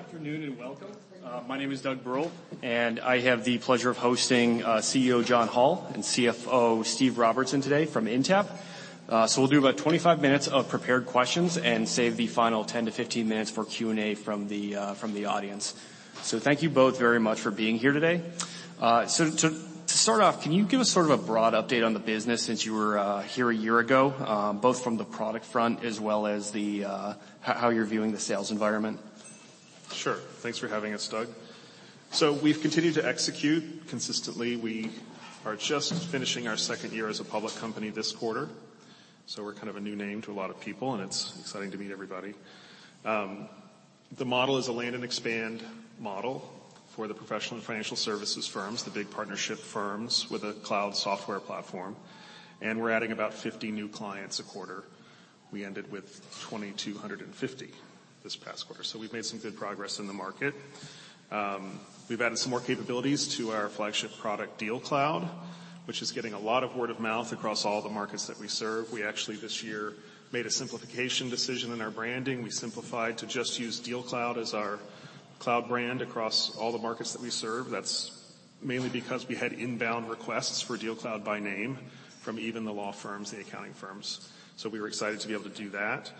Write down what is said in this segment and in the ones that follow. All right. Good afternoon and welcome. My name is Doug Burrell and I have the pleasure of hosting CEO John Hall and CFO David Morton today from Intapp. We'll do about 25 minutes of prepared questions and save the final 10-15 minutes for Q&A from the audience. Thank you both very much for being here today. To start off, can you give us sort of a broad update on the business since you were here year ago, both from the product front as well as how you're viewing the sales environment? Sure. Thanks for having us Doug. We've continued to execute consistently. We are just finishing our 2nd year as a public company this quarter. We're kind of a new name to a lot of people, and it's exciting to meet everybody. The model is a land and expand model for the professional and financial services firms, the big partnership firms with a cloud software platform, and we're adding about 50 new clients a quarter. We ended with 2,250 this past quarter. We've made some good progress in the market. We've added some more capabilities to our flagship product, DealCloud, which is getting a lot of word of mouth across all the markets that we serve. We actually this year made a simplification decision in our branding. We simplified to just use DealCloud as our cloud brand across all the markets that we serve. That's mainly because we had inbound requests for DealCloud by name from even the law firms, the accounting firms. We were excited to be able to do that.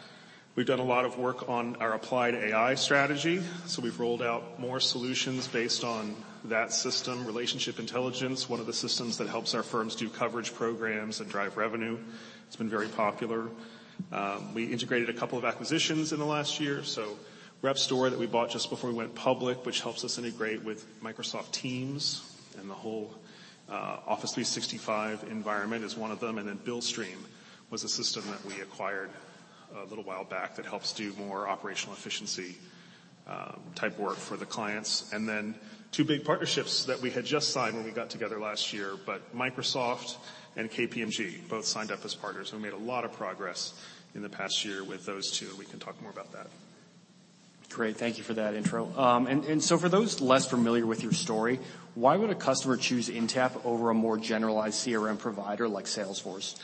We've done a lot of work on our Applied AI strategy. We've rolled out more solutions based on that system. Relationship Intelligence, one of the systems that helps our firms do coverage programs and drive revenue. It's been very popular. We integrated a couple of acquisitions in the last year. Repstor that we bought just before we went public, which helps us integrate with Microsoft Teams, and the whole Office 365 environment is one of them. Billstream was a system that we acquired a little while back that helps do more operational efficiency, type work for the clients. Two big partnerships that we had just signed when we got together last year, but Microsoft and KPMG both signed up as partners. We made a lot of progress in the past year with those two, and we can talk more about that. Great. Thank you for that intro. For those less familiar with your story, why would a customer choose Intapp over a more generalized CRM provider like Salesforce?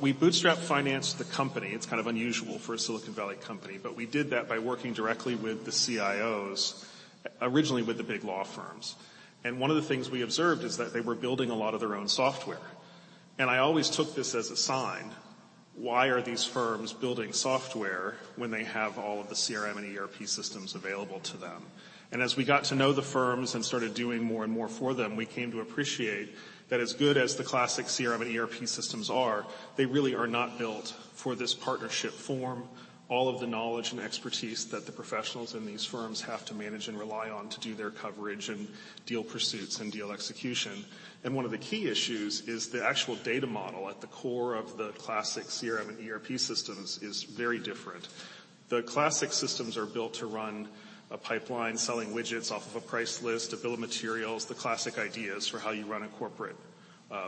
We bootstrap financed the company. It's kind of unusual for a Silicon Valley company, but we did that by working directly with the CIOs, originally with the big law firms. One of the things we observed is that they were building a lot of their own software. I always took this as a sign, why are these firms building software when they have all of the CRM and ERP systems available to them? As we got to know the firms and started doing more and more for them, we came to appreciate that as good as the classic CRM and ERP systems are, they really are not built for this partnership form. All of the knowledge and expertise that the professionals in these firms have to manage and rely on to do their coverage and deal pursuits and deal execution. One of the key issues is the actual data model at the core of the classic CRM and ERP systems is very different. The classic systems are built to run a pipeline, selling widgets off of a price list, a bill of materials, the classic ideas for how you run a corporate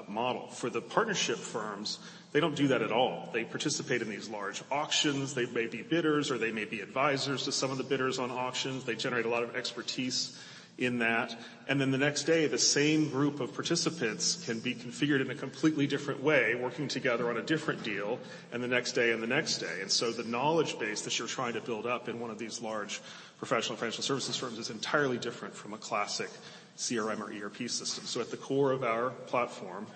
model. For the partnership firms, they don't do that at all. They participate in these large auctions. They may be bidders, or they may be advisors to some of the bidders on auctions. They generate a lot of expertise in that. Then the next day, the same group of participants can be configured in a completely different way, working together on a different deal and the next day and the next day. The knowledge base that you're trying to build up in one of these large professional financial services firms is entirely different from a classic CRM or ERP system. At the core of our platform,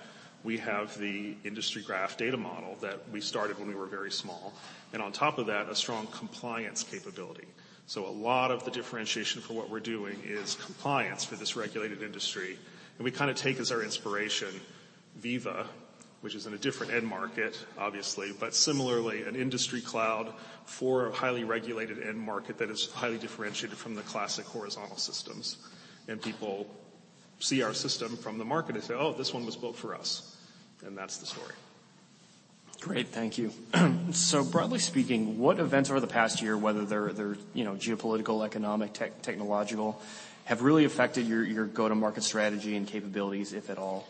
we have the Industry Graph Data Model that we started when we were very small, and on top of that, a strong compliance capability. A lot of the differentiation for what we're doing is compliance for this regulated industry. We kinda take as our inspiration Veeva, which is in a different end market, obviously, but similarly an industry cloud for a highly regulated end market that is highly differentiated from the classic horizontal systems. People see our system from the market and say, "Oh, this one was built for us," and that's the story. Great. Thank you. Broadly speaking, what events over the past year, whether they're, you know, geopolitical, economic, technological, have really affected your go-to-market strategy and capabilities, if at all?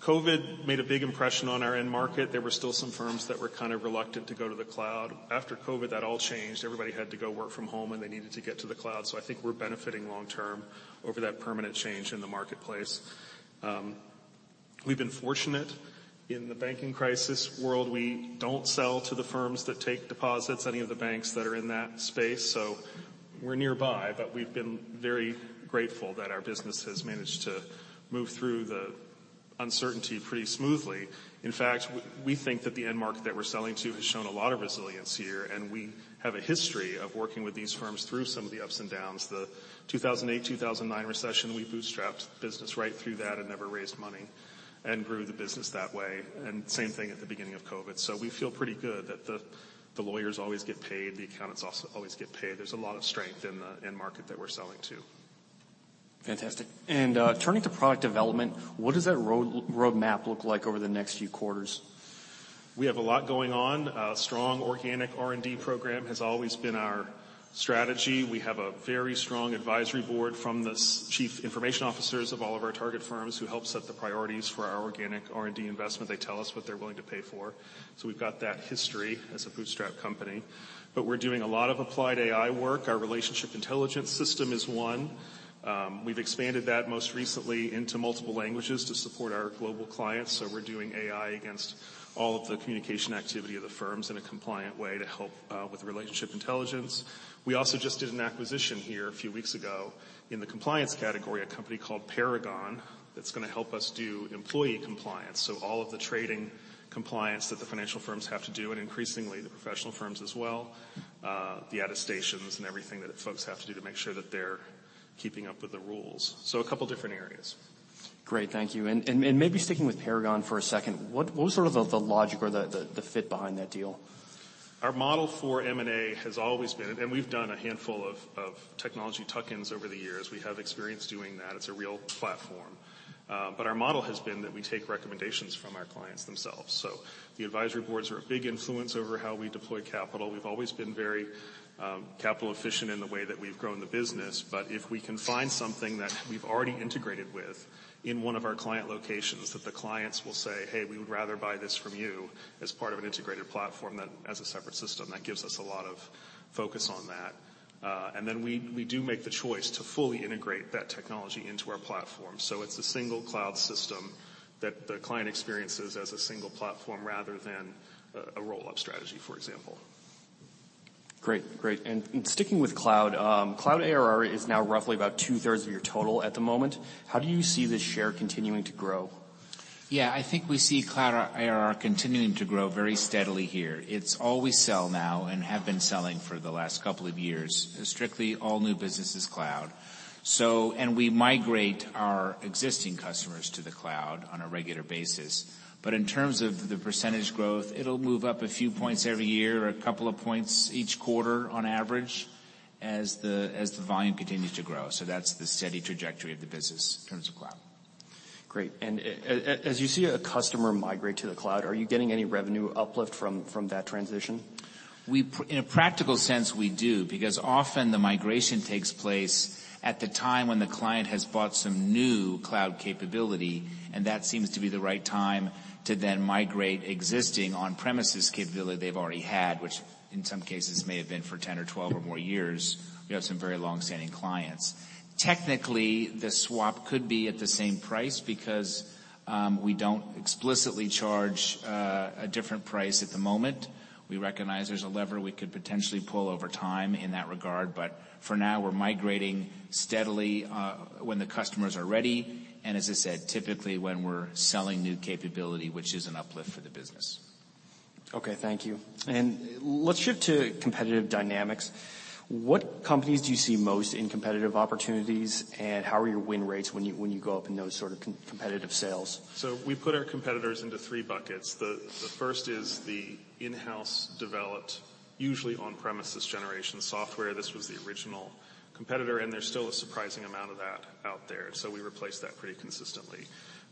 COVID made a big impression on our end market. There were still some firms that were kind of reluctant to go to the cloud. After COVID, that all changed. Everybody had to go work from home, and they needed to get to the cloud. I think we're benefiting long term over that permanent change in the marketplace. We've been fortunate in the banking crisis world. We don't sell to the firms that take deposits, any of the banks that are in that space. We're nearby, but we've been very grateful that our business has managed to move through the uncertainty pretty smoothly. In fact, we think that the end market that we're selling to has shown a lot of resilience here, and we have a history of working with these firms through some of the ups and downs. The 2008, 2009 recession, we bootstrapped the business right through that and never raised money and grew the business that way. Same thing at the beginning of COVID. We feel pretty good that the lawyers always get paid, the accountants always get paid. There's a lot of strength in the end market that we're selling to. Fantastic. Turning to product development, what does that road map look like over the next few quarters? We have a lot going on. A strong organic R&D program has always been our strategy. We have a very strong advisory board from the chief information officers of all of our target firms who help set the priorities for our organic R&D investment. They tell us what they're willing to pay for. We've got that history as a bootstrap company. We're doing a lot of Applied AI work. Our Relationship Intelligence system is one. We've expanded that most recently into multiple languages to support our global clients. We're doing AI against all of the communication activity of the firms in a compliant way to help with Relationship Intelligence. We also just did an acquisition here a few weeks ago in the compliance category, a company called Paragon, that's gonna help us do employee compliance. All of the trading compliance that the financial firms have to do, and increasingly the professional firms as well, the attestations and everything that folks have to do to make sure that they're keeping up with the rules. A couple different areas. Great. Thank you. Maybe sticking with Paragon for a second, what was sort of the logic or the fit behind that deal? Our model for M&A. We've done a handful of technology tuck-ins over the years. We have experience doing that. It's a real platform. Our model has been that we take recommendations from our clients themselves. The advisory boards are a big influence over how we deploy capital. We've always been very capital efficient in the way that we've grown the business. If we can find something that we've already integrated with in one of our client locations that the clients will say, "Hey, we would rather buy this from you as part of an integrated platform than as a separate system," that gives us a lot of focus on that. We do make the choice to fully integrate that technology into our platform. It's a single cloud system that the client experiences as a single platform rather than a roll-up strategy, for example. Great. Great. Sticking with Cloud ARR, Cloud ARR is now roughly about 2/3 of your total at the moment. How do you see this share continuing to grow? Yeah. I think we see cloud ARR continuing to grow very steadily here. It's all we sell now and have been selling for the last couple of years. Strictly all new business is cloud. We migrate our existing customers to the cloud on a regular basis. In terms of the percentage growth, it'll move up a few points every year or a couple of points each quarter on average as the, as the volume continues to grow. That's the steady trajectory of the business in terms of cloud. Great. As you see a customer migrate to the cloud, are you getting any revenue uplift from that transition? In a practical sense, we do, because often the migration takes place at the time when the client has bought some new cloud capability, and that seems to be the right time to then migrate existing on-premises capability they've already had, which in some cases may have been for 10 or 12 or more years. We have some very long-standing clients. Technically, the swap could be at the same price because we don't explicitly charge a different price at the moment. We recognize there's a lever we could potentially pull over time in that regard, for now, we're migrating steadily when the customers are ready, and as I said, typically when we're selling new capability, which is an uplift for the business. Okay. Thank you. Let's shift to competitive dynamics. What companies do you see most in competitive opportunities, and how are your win rates when you go up in those sort of competitive sales? We put our competitors into three buckets. The first is the in-house developed, usually on-premises generation software. This was the original competitor, and there's still a surprising amount of that out there. We replace that pretty consistently.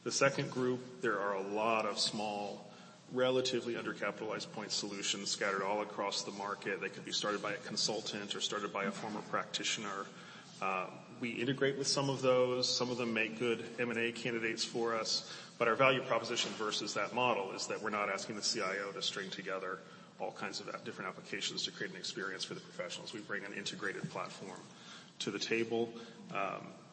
The second group, there are a lot of small, relatively undercapitalized point solutions scattered all across the market. They could be started by a consultant or started by a former practitioner. We integrate with some of those. Some of them make good M&A candidates for us. But our value proposition versus that model is that we're not asking the CIO to string together all kinds of different applications to create an experience for the professionals. We bring an integrated platform to the table.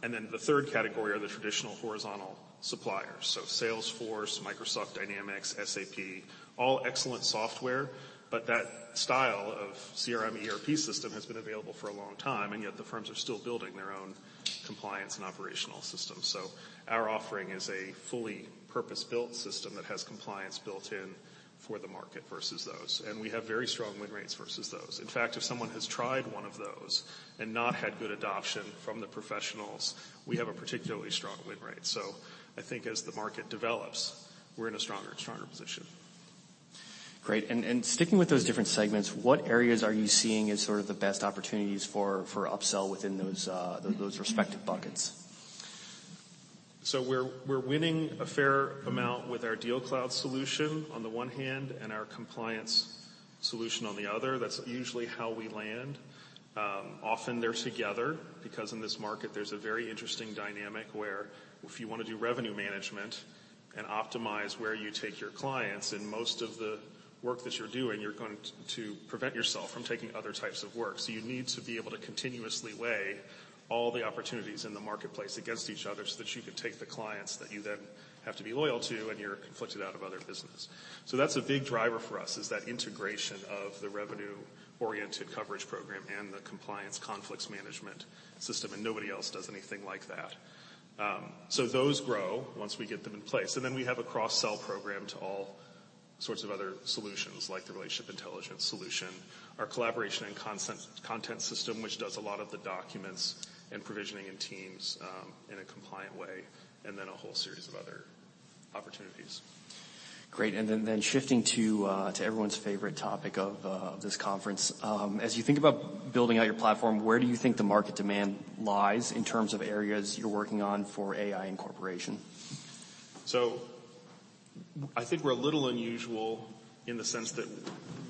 The third category are the traditional horizontal suppliers. Salesforce, Microsoft Dynamics, SAP, all excellent software, but that style of CRM, ERP system has been available for a long time, and yet the firms are still building their own compliance and operational systems. Our offering is a fully purpose-built system that has compliance built in for the market versus those. We have very strong win rates versus those. In fact, if someone has tried one of those and not had good adoption from the professionals, we have a particularly strong win rate. I think as the market develops, we're in a stronger and stronger position. Great. Sticking with those different segments, what areas are you seeing as sort of the best opportunities for upsell within those respective buckets? We're winning a fair amount with our DealCloud solution on the one hand and our compliance solution on the other. That's usually how we land. Often they're together because in this market, there's a very interesting dynamic where if you wanna do revenue management and optimize where you take your clients, in most of the work that you're doing, you're going to prevent yourself from taking other types of work. You need to be able to continuously weigh all the opportunities in the marketplace against each other so that you can take the clients that you then have to be loyal to, and you're conflicted out of other business. That's a big driver for us, is that integration of the revenue-oriented coverage program and the compliance conflicts management system, and nobody else does anything like that. Those grow once we get them in place. Then we have a cross-sell program to all sorts of other solutions, like the Relationship Intelligence solution, our Collaboration & Content system, which does a lot of the documents and provisioning in Teams, in a compliant way, and then a whole series of other opportunities. Great. Shifting to everyone's favorite topic of this conference. As you think about building out your platform, where do you think the market demand lies in terms of areas you're working on for AI incorporation? I think we're a little unusual in the sense that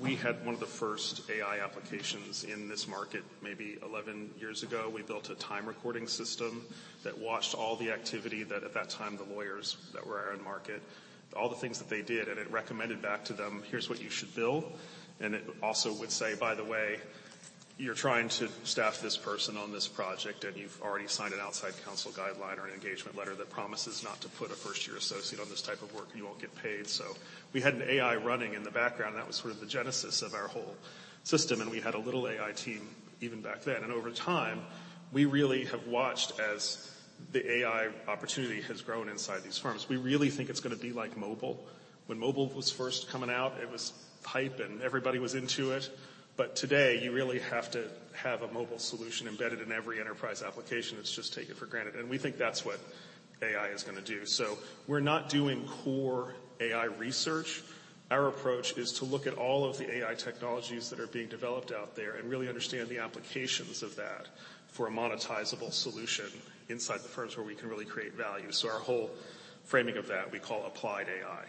we had one of the first AI applications in this market maybe 11 years ago. We built a time recording system that watched all the activity that at that time, the lawyers that were in our market, all the things that they did, and it recommended back to them, "Here's what you should bill." It also would say, "By the way, you're trying to staff this person on this project, and you've already signed an outside counsel guideline or an engagement letter that promises not to put a first-year associate on this type of work, and you won't get paid." We had an AI running in the background. That was sort of the genesis of our whole system, and we had a little AI team even back then. Over time, we really have watched as the AI opportunity has grown inside these firms. We really think it's gonna be like mobile. When mobile was first coming out it was hype and everybody was into it. Today, you really have to have a mobile solution embedded in every enterprise application. It's just taken for granted, and we think that's what AI is gonna do. We're not doing core AI research. Our approach is to look at all of the AI technologies that are being developed out there and really understand the applications of that for a monetizable solution inside the firms where we can really create value. Our whole framing of that we call Applied AI.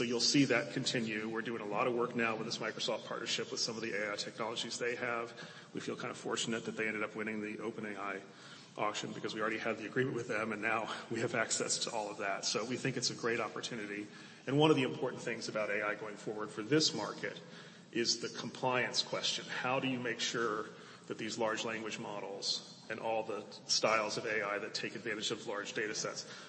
You'll see that continue. We're doing a lot of work now with this Microsoft partnership with some of the AI technologies they have. We feel kind of fortunate that they ended up winning the OpenAI auction because we already had the agreement with them, and now we have access to all of that. We think it's a great opportunity. One of the important things about AI going forward for this market is the compliance question. How do you make sure that these large language models and all the styles of AI that take advantage of large datasets fit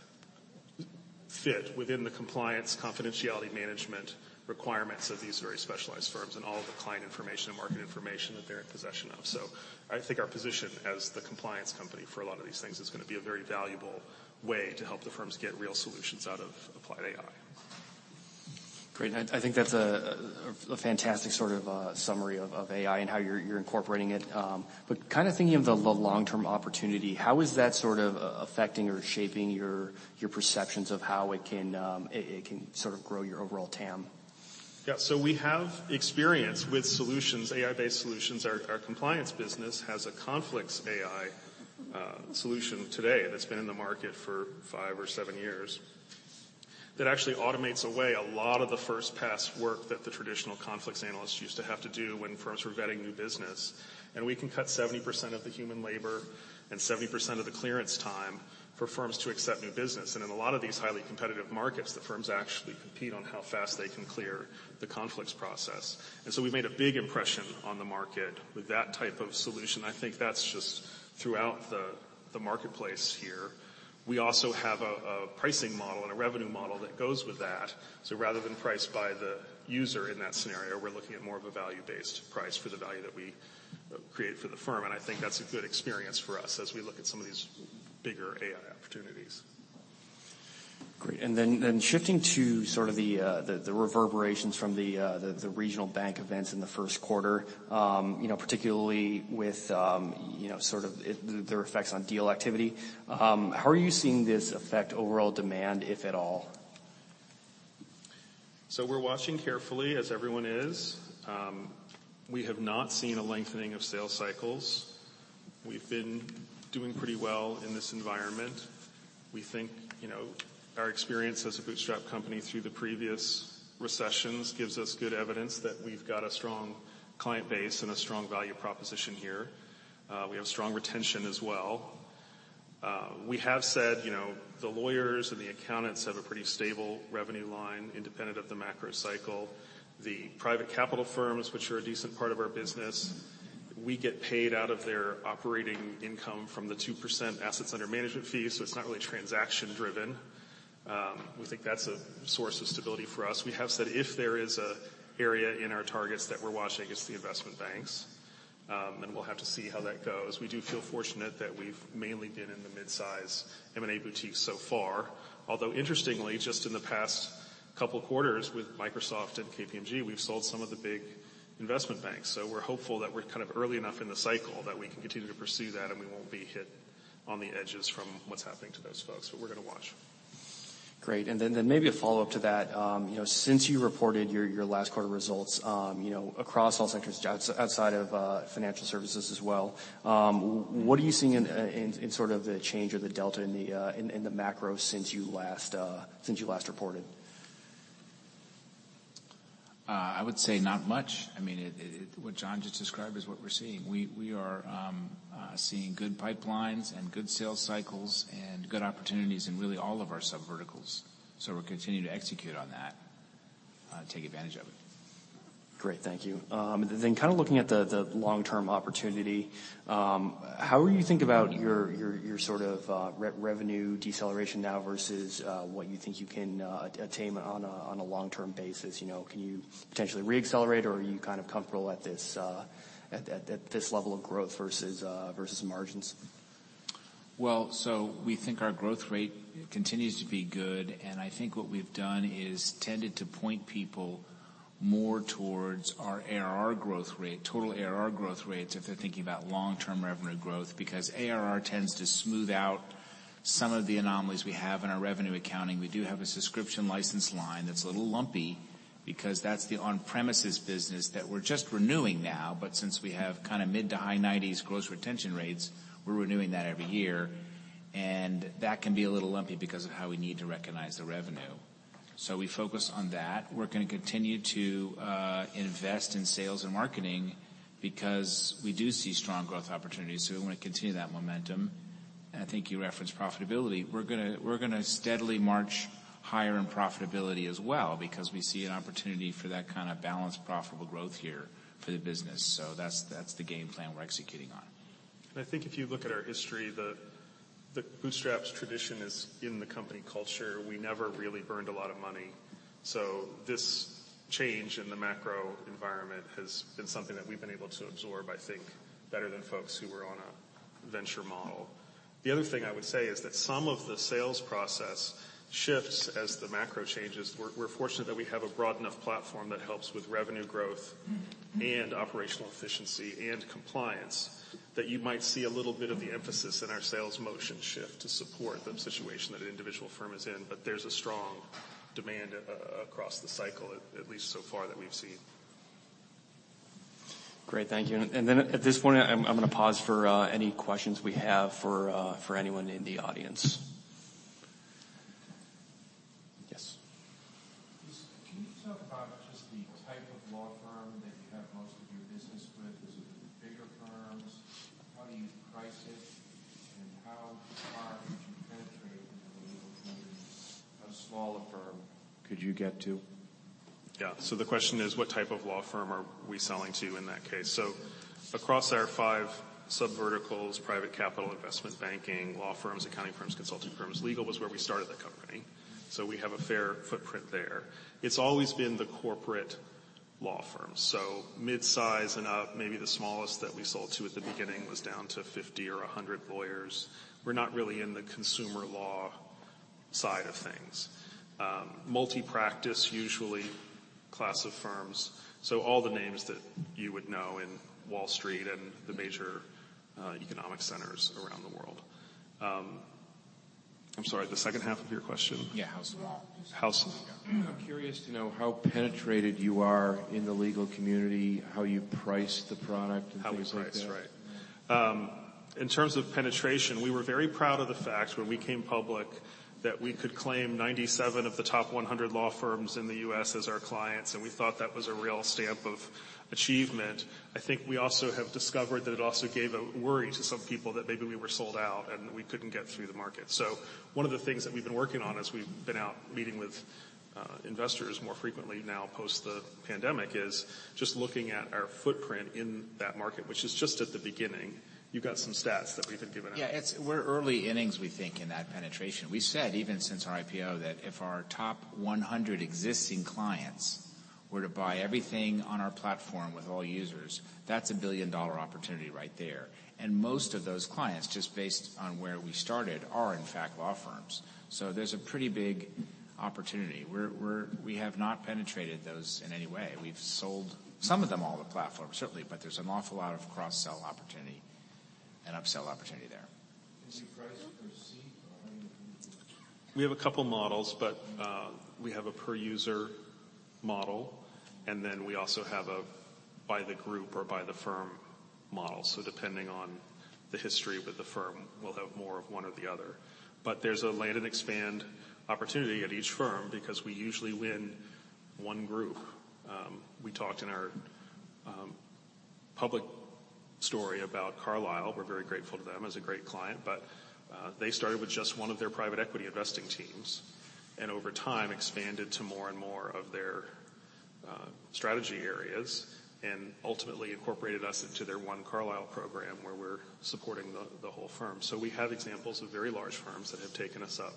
within the compliance confidentiality management requirements of these very specialized firms and all the client information and market information that they're in possession of? I think our position as the compliance company for a lot of these things is gonna be a very valuable way to help the firms get real solutions out of Applied AI. Great. I think that's a fantastic sort of summary of AI and how you're incorporating it. Kinda thinking of the long-term opportunity, how is that sort of affecting or shaping your perceptions of how it can sort of grow your overall TAM? We have experience with solutions, AI-based solutions. Our compliance business has an Intapp Conflicts solution today that's been in the market for five or seven years that actually automates away a lot of the first-pass work that the traditional conflicts analysts used to have to do when firms were vetting new business. We can cut 70% of the human labor and 70% of the clearance time for firms to accept new business. In a lot of these highly competitive markets, the firms actually compete on how fast they can clear the conflicts process. We made a big impression on the market with that type of solution. I think that's just throughout the marketplace here. We also have a pricing model and a revenue model that goes with that. Rather than price by the user in that scenario, we're looking at more of a value-based price for the value that we create for the firm, and I think that's a good experience for us as we look at some of these bigger AI opportunities. Great. Then shifting to sort of the reverberations from the regional bank events in the Q1. You know, particularly with, you know, sort of their effects on deal activity. How are you seeing this affect overall demand, if at all? We're watching carefully, as everyone is. We have not seen a lengthening of sales cycles. We've been doing pretty well in this environment. We think, you know, our experience as a bootstrap company through the previous recessions gives us good evidence that we've got a strong client base and a strong value proposition here. We have strong retention as well. We have said, you know, the lawyers and the accountants have a pretty stable revenue line independent of the macro cycle. The private capital firms, which are a decent part of our business, we get paid out of their operating income from the 2% assets under management fees, so it's not really transaction driven. We think that's a source of stability for us. We have said if there is a area in our targets that we're watching, it's the investment banks. We'll have to see how that goes. We do feel fortunate that we've mainly been in the midsize M&A boutiques so far. Although interestingly, just in the past couple quarters with Microsoft and KPMG, we've sold some of the big investment banks. We're hopeful that we're kind of early enough in the cycle that we can continue to pursue that, and we won't be hit on the edges from what's happening to those folks. We're gonna watch. Great. Then maybe a follow-up to that. you know, since you reported your last quarter results, you know, across all sectors outside of financial services as well, what are you seeing in sort of the change or the delta in the macro since you last reported? I would say not much. I mean, it. What John just described is what we're seeing. We are seeing good pipelines and good sales cycles and good opportunities in really all of our subverticals. We'll continue to execute on that, take advantage of it. Great. Thank you. Kind of looking at the long-term opportunity, how are you thinking about your sort of revenue deceleration now versus what you think you can attain on a long-term basis? You know, can you potentially reaccelerate, or are you kind of comfortable at this level of growth versus margins? Well, we think our growth rate continues to be good, and I think what we've done is tended to point people more towards our ARR growth rate, total ARR growth rates, if they're thinking about long-term revenue growth. ARR tends to smooth out some of the anomalies we have in our revenue accounting. We do have a subscription license line that's a little lumpy. That's the on-premises business that we're just renewing now, but since we have kind of mid to high 90% gross retention rates, we're renewing that every year, and that can be a little lumpy because of how we need to recognize the revenue. We focus on that. We're going to continue to invest in sales and marketing because we do see strong growth opportunities, so we want to continue that momentum. I think you referenced profitability. We're gonna steadily march higher in profitability as well because we see an opportunity for that kind of balanced, profitable growth here for the business. That's the game plan we're executing on. I think if you look at our history, the bootstraps tradition is in the company culture. We never really burned a lot of money. This change in the macro environment has been something that we've been able to absorb, I think, better than folks who were on a venture model. The other thing I would say is that some of the sales process shifts as the macro changes. We're fortunate that we have a broad enough platform that helps with revenue growth and operational efficiency and compliance, that you might see a little bit of the emphasis in our sales motion shift to support the situation that an individual firm is in. There's a strong demand across the cycle, at least so far that we've seen. Great. Thank you. Then at this point I'm gonna pause for any questions we have for anyone in the audience. Yes. Can you talk about just the type of law firm that you have most of your business with? Is it the bigger firms? How do you price it, and how far can you penetrate in the legal community? How small a firm could you get to? The question is what type of law firm are we selling to in that case? Across our five subverticals: private capital, investment banking, law firms, accounting firms, consulting firms, legal was where we started the company, so we have a fair footprint there. It's always been the corporate law firms. Mid-size and up, maybe the smallest that we sold to at the beginning was down to 50 or 100 lawyers. We're not really in the consumer law side of things. Multi-practice usually class of firms, so all the names that you would know in Wall Street and the major economic centers around the world. I'm sorry. The second half of your question? Yeah. Well, I'm curious to know how penetrated you are in the legal community, how you price the product and things like that. How we price. Right. In terms of penetration, we were very proud of the fact when we came public that we could claim 97 of the top 100 law firms in the U.S. as our clients, and we thought that was a real stamp of achievement. I think we also have discovered that it also gave a worry to some people that maybe we were sold out and we couldn't get through the market. One of the things that we've been working on as we've been out meeting with investors more frequently now post the pandemic is just looking at our footprint in that market, which is just at the beginning. You got some stats that we've been giving out. We're early innings, we think, in that penetration. We said even since our IPO that if our top 100 existing clients were to buy everything on our platform with all users, that's a $1 billion opportunity right there. Most of those clients, just based on where we started, are in fact law firms. There's a pretty big opportunity. We have not penetrated those in any way. We've sold some of them all the platforms, certainly, but there's an awful lot of cross-sell opportunity and upsell opportunity there. Is your price per seat or anything? We have a couple models, but we have a per user model, and then we also have a by the group or by the firm model. Depending on the history with the firm, we'll have more of one or the other. There's a land and expand opportunity at each firm because we usually win one group. We talked in our public story about Carlyle. We're very grateful to them as a great client. They started with just one of their private equity investing teams, and over time expanded to more and more of their strategy areas and ultimately incorporated us into their One Carlyle program, where we're supporting the whole firm. We have examples of very large firms that have taken us up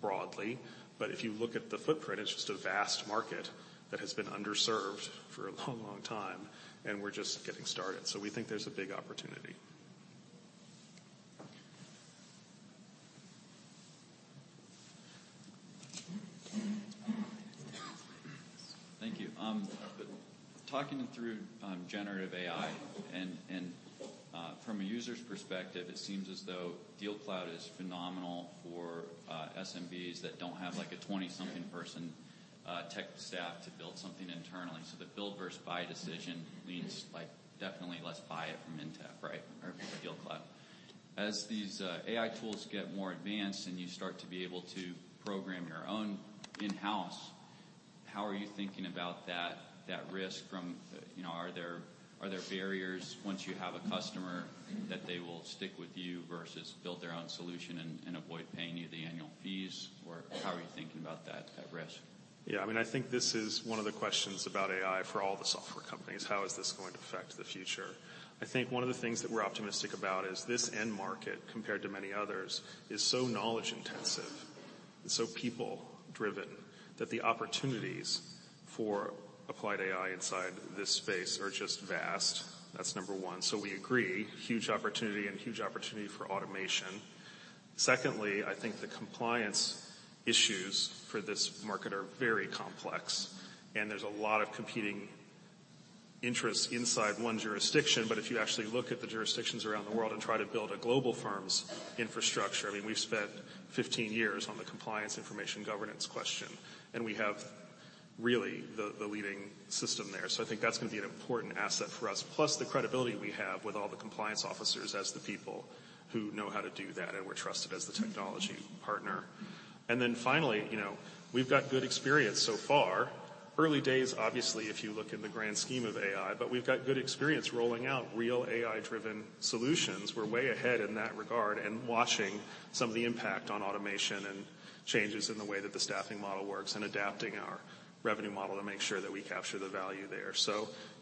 broadly, but if you look at the footprint, it's just a vast market that has been underserved for a long, long time, and we're just getting started. We think there's a big opportunity. Thank you. talking through generative AI and from a user's perspective, it seems as though DealCloud is phenomenal for SMBs that don't have like a 20-something person tech staff to build something internally. The build versus buy decision leans like definitely, "Let's buy it from Intapp," right? Or DealCloud. As these AI tools get more advanced and you start to be able to program your own in-house, how are you thinking about that risk from, you know? Are there barriers once you have a customer that they will stick with you versus build their own solution and avoid paying you the annual fees? How are you thinking about that risk? Yeah. I mean, I think this is one of the questions about AI for all the software companies, how is this going to affect the future? I think one of the things that we're optimistic about is this end market, compared to many others, is so knowledge intensive and so people driven, that the opportunities for Applied AI inside this space are just vast. That's number one. We agree, huge opportunity for automation. Secondly, I think the compliance issues for this market are very complex, and there's a lot of competing interests inside one jurisdiction, but if you actually look at the jurisdictions around the world and try to build a global firm's infrastructure, I mean, we've spent 15 years on the compliance information governance question, and we have really the leading system there. I think that's gonna be an important asset for us. Plus the credibility we have with all the compliance officers as the people who know how to do that, and we're trusted as the technology partner. Finally, you know, we've got good experience so far. Early days, obviously, if you look in the grand scheme of AI, but we've got good experience rolling out real AI-driven solutions. We're way ahead in that regard and watching some of the impact on automation and changes in the way that the staffing model works and adapting our revenue model to make sure that we capture the value there.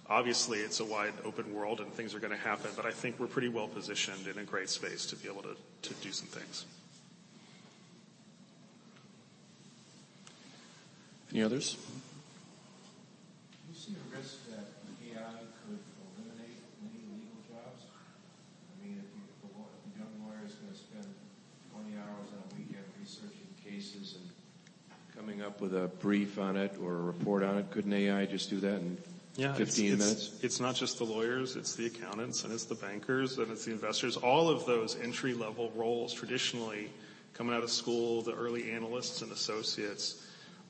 Obviously it's a wide open world and things are gonna happen, but I think we're pretty well-positioned in a great space to be able to do some things. Any others? Do you see a risk that AI could eliminate many legal jobs? I mean, if a young lawyer is gonna spend 20 hours in a week at researching cases and coming up with a brief on it or a report on it, couldn't AI just do that in. Yeah. 15 minutes? It's not just the lawyers, it's the accountants, and it's the bankers, and it's the investors. All of those entry-level roles traditionally coming out of school, the early analysts and associates,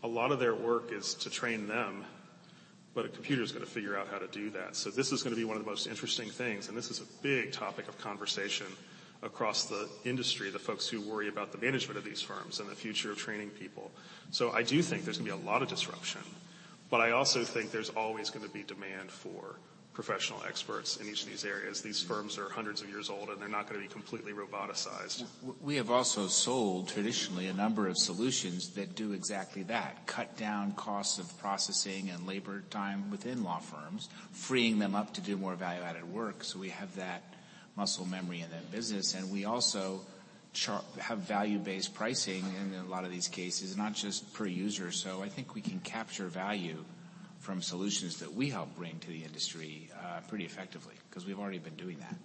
a lot of their work is to train them, but a computer's gonna figure out how to do that. This is gonna be one of the most interesting things, and this is a big topic of conversation across the industry, the folks who worry about the management of these firms and the future of training people. I do think there's gonna be a lot of disruption, but I also think there's always gonna be demand for professional experts in each of these areas. These firms are hundreds of years old, and they're not gonna be completely roboticized. We have also sold traditionally a number of solutions that do exactly that cut down costs of processing and labor time within law firms, freeing them up to do more value-added work. We have that muscle memory in that business. We also have value-based pricing in a lot of these cases, not just per user. I think we can capture value from solutions that we help bring to the industry pretty effectively 'cause we've already been doing that.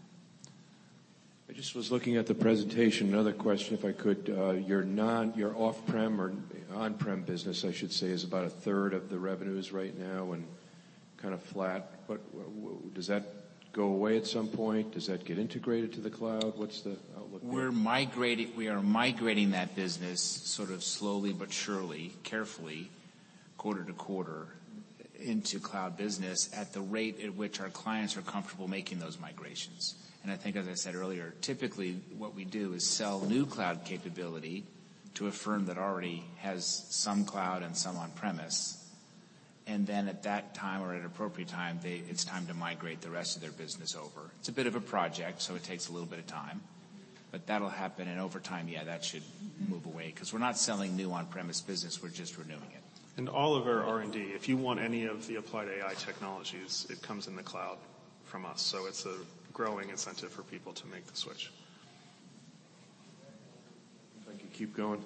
I just was looking at the presentation. Another question, if I could. your off-prem or on-prem business, I should say, is about a third of the revenues right now and kind of flat. does that go away at some point? Does that get integrated to the cloud? What's the outlook there? We are migrating that business sort of slowly but surely, carefully, quarter-to-quarter into cloud business at the rate at which our clients are comfortable making those migrations. I think, as I said earlier, typically what we do is sell new cloud capability to a firm that already has some cloud and some on-premise and then at that time or at an appropriate time, it's time to migrate the rest of their business over. It's a bit of a project, so it takes a little bit of time, but that'll happen. Over time, yeah, that should move away 'cause we're not selling new on-premise business, we're just renewing it. All of our R&D, if you want any of the Applied AI technologies, it comes in the cloud from us, so it's a growing incentive for people to make the switch. If I could keep going.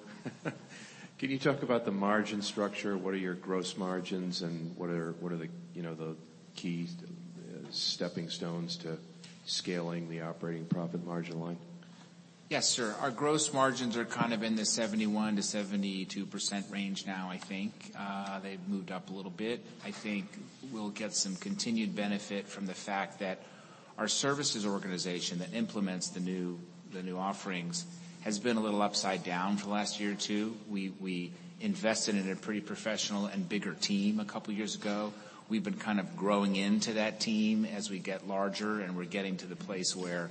Can you talk about the margin structure? What are your gross margins, and what are the, you know, the key stepping stones to scaling the operating profit margin line? Yes sir. Our gross margins are kind of in the 71%-72% range now, I think. They've moved up a little bit. I think we'll get some continued benefit from the fact that our services organization that implements the new, the new offerings has been a little upside down for the last year or two. We invested in a pretty professional and bigger team a couple years ago. We've been kind of growing into that team as we get larger, and we're getting to the place where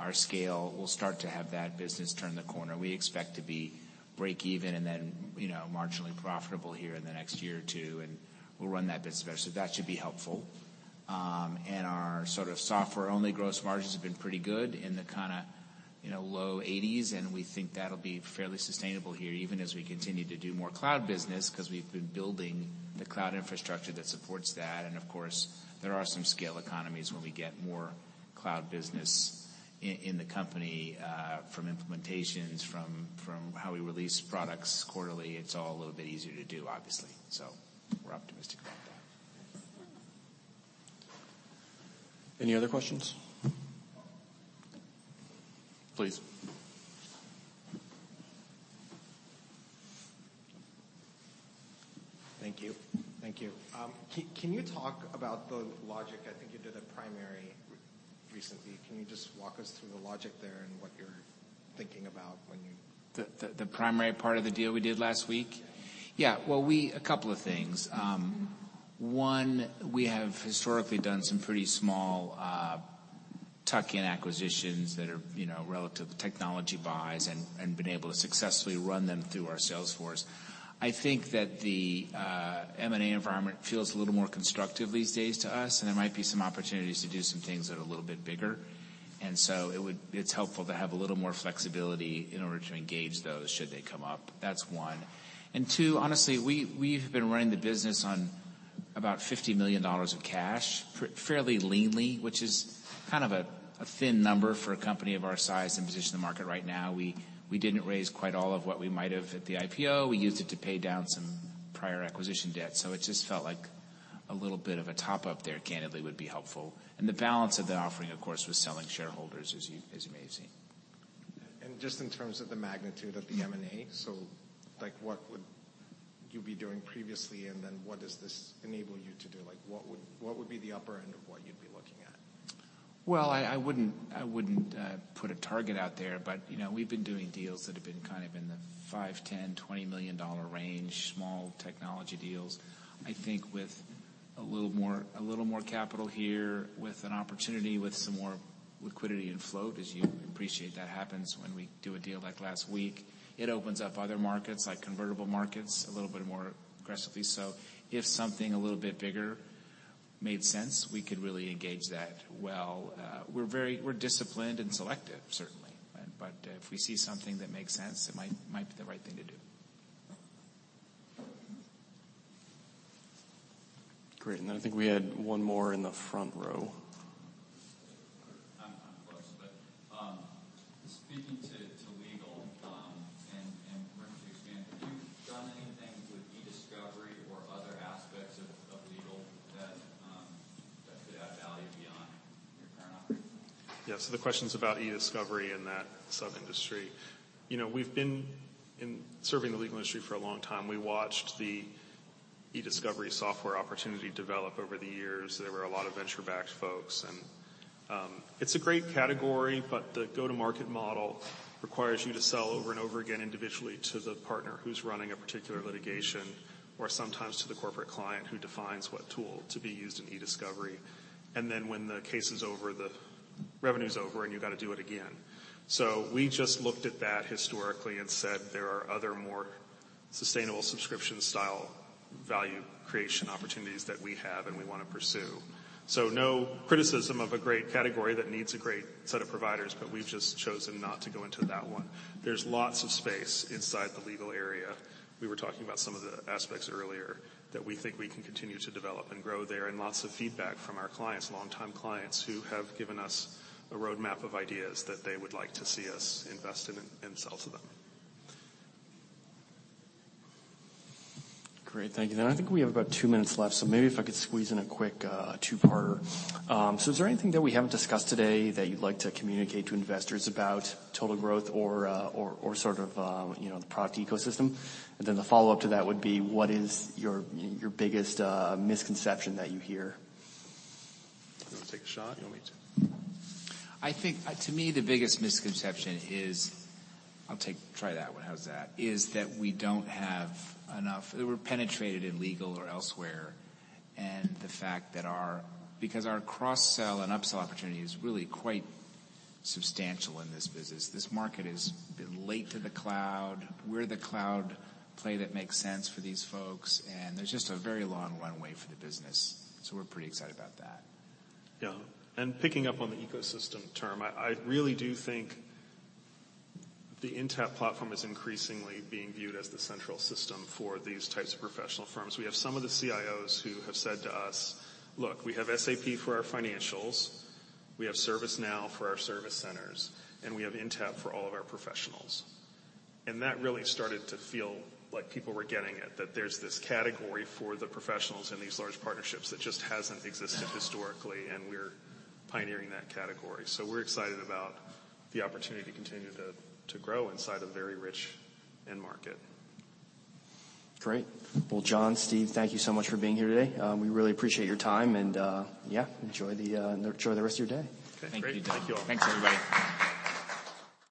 our scale will start to have that business turn the corner. We expect to be breakeven and then, you know, marginally profitable here in the next year or two, and we'll run that business. That should be helpful. Our sort of software-only gross margins have been pretty good in the kinda, you know, low 80s, and we think that'll be fairly sustainable here even as we continue to do more cloud business 'cause we've been building the cloud infrastructure that supports that. Of course, there are some scale economies when we get more cloud business in the company, from implementations, from how we release products quarterly. It's all a little bit easier to do, obviously. We're optimistic about that. Any other questions? Please. Thank you. Can you talk about the logic? I think you did a primary recently. Can you just walk us through the logic there and what you're thinking about when you. The primary part of the deal we did last week? Yeah. Well, a couple of things. One, we have historically done some pretty small tuck-in acquisitions that are, you know, relative technology buys and been able to successfully run them through our sales force. I think that the M&A environment feels a little more constructive these days to us. There might be some opportunities to do some things that are a little bit bigger. It's helpful to have a little more flexibility in order to engage those should they come up. That's one. Two, honestly, we've been running the business on about $50 million of cash fairly leanly, which is kind of a thin number for a company of our size and position in the market right now. We didn't raise quite all of what we might have at the IPO. We used it to pay down some prior acquisition debt. It just felt like a little bit of a top-up there, candidly, would be helpful. The balance of the offering, of course, was selling shareholders, as you may have seen. Just in terms of the magnitude of the M&A, like, what would you be doing previously, what does this enable you to do? What would be the upper end of what you'd be looking at? Well, I wouldn't put a target out therebut, you know, we've been doing deals that have been kind of in the $5 million, $10 million, $20 million range, small technology deals. I think with a little more, a little more capital here with an opportunity, with some more liquidity and float, as you appreciate that happens when we do a deal like last week, it opens up other markets like convertible markets a little bit more aggressively. If something a little bit bigger made sense, we could really engage that well. We're disciplined and selective, certainly. If we see something that makes sense, it might be the right thing to do. Great. I think we had one more in the front row. I'm close. Speaking to legal, and perhaps you expand, have you done anything with e-discovery or other aspects of legal that could add value beyond your current operations? Yeah. The question's about e-discovery and that sub-industry. You know, we've been serving the legal industry for a long time. We watched the e-discovery software opportunity develop over the years. There were a lot of venture-backed folks and it's a great category, but the go-to-market model requires you to sell over and over again individually to the partner who's running a particular litigation or sometimes to the corporate client who defines what tool to be used in e-discovery. When the case is over, the revenue's over, and you've got to do it again. We just looked at that historically and said, there are other more sustainable subscription style value creation opportunities that we have and we wanna pursue. No criticism of a great category that needs a great set of providers, but we've just chosen not to go into that one. There's lots of space inside the legal area. We were talking about some of the aspects earlier that we think we can continue to develop and grow there. Lots of feedback from our clients, longtime clients, who have given us a roadmap of ideas that they would like to see us invest in and sell to them. Great. Thank you. I think we have about two minutes left, so maybe if I could squeeze in a quick two-parter. Is there anything that we haven't discussed today that you'd like to communicate to investors about total growth or sort of, you know, the product ecosystem? The follow-up to that would be, what is your biggest misconception that you hear? You wanna take a shot or you want me to? I think, to me, the biggest misconception is, I'll take, try that one. How's that? Is that we don't have enough, we're penetrated in legal or elsewhere, and the fact that our, because our cross-sell and upsell opportunity is really quite substantial in this business. This market is a bit late to the cloud. We're the cloud play that makes sense for these folks, and there's just a very long runway for the business, so we're pretty excited about that. Yeah. Picking up on the ecosystem term, I really do think the Intapp platform is increasingly being viewed as the central system for these types of professional firms. We have some of the CIOs who have said to us, "Look, we have SAP for our financials. We have ServiceNow for our service centers, and we have Intapp for all of our professionals." That really started to feel like people were getting it, that there's this category for the professionals in these large partnerships that just hasn't existed historically, and we're pioneering that category. We're excited about the opportunity to continue to grow inside a very rich end market. Great. Well, John, Steve, thank you so much for being here today. We really appreciate your time and, yeah, enjoy the, enjoy the rest of your day. Okay, great. Thank you. Thank you all. Thanks, everybody.